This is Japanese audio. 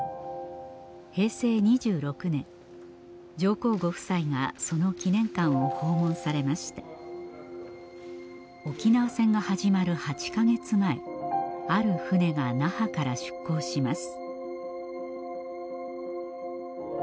平成２６年上皇ご夫妻がその記念館を訪問されました沖縄戦が始まる８か月前ある船が那覇から出港します